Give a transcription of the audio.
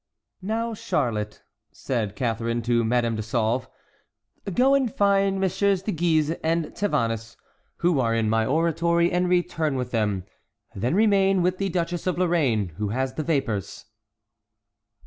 "Now, Charlotte," said Catharine to Madame de Sauve, "go and find Messieurs de Guise and Tavannes, who are in my oratory, and return with them; then remain with the Duchess of Lorraine, who has the vapors."